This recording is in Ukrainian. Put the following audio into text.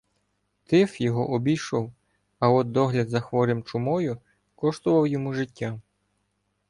Тиф його обійшов, а от догляд за хворим чумою коштував йому життя.